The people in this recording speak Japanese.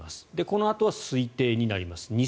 このあと推定になります。